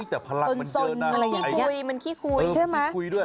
แต่พลังมันเจอกันมันคี่คุยใช่ไหม